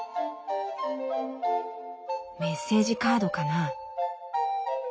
メッセージカードかな？